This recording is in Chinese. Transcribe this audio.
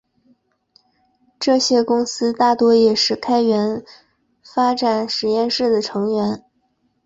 这些公司大多也是开源发展实验室的成员。